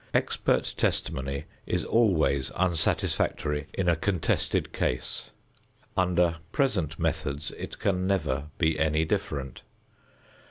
Expert testimony is always unsatisfactory in a contested case. Under present methods, it can never be any different.